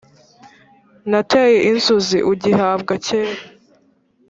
Nateye inzuzi ugihabwa kera